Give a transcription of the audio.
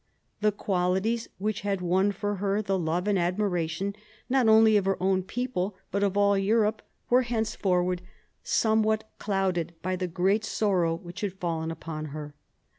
The qualities which had won for her the love and admiration not only of her own people but of all Europe were henceforward somewhat clouded by the great sorrow which had fallen upon her.